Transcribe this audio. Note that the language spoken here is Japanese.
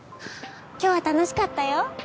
今日は楽しかったよ。